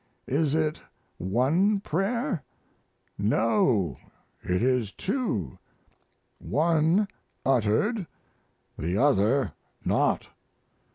Is it one prayer? No, it is two one uttered, the other not.